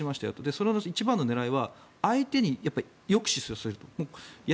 その一番の狙いは相手に抑止させると。